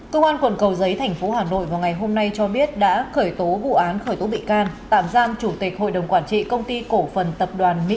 cơ quan quần cầu giấy tp hà nội vào ngày hôm nay cho biết đã khởi tố vụ án khởi tố bị can tạm giam chủ tịch hội đồng quản trị công ty cổ phần tập đoàn mỹ